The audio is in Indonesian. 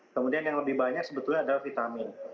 kemudian yang lebih banyak sebetulnya adalah vitamin